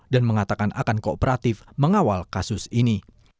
dan mengatakan akan kooperatif mengawal kasus ini